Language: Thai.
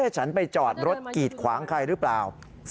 ฉันไปจอดรถกีดขวางใครหรือเปล่า